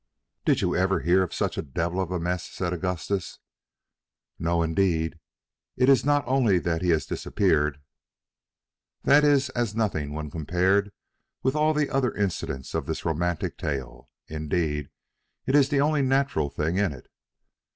"Did you ever hear of such a devil of a mess?" said Augustus. "No, indeed. It is not only that he has disappeared " "That is as nothing when compared with all the other incidents of this romantic tale. Indeed, it is the only natural thing in it.